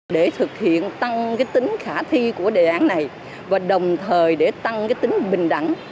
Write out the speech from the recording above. để thực hiện tăng tính khả thi của đề án này và đồng thời để tăng tính bình đẳng